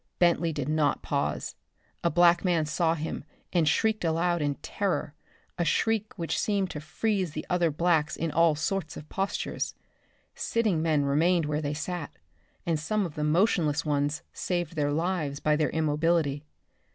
Bentley did not pause. A black man saw him and shrieked aloud in terror, a shriek which seemed to freeze the other blacks in all sorts of postures. Sitting men remained where they sat, and some of the motionless ones saved their lives by their immobility.